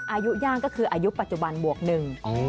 อายุย่างก็คืออายุปัจจุบันบวกหนึ่ง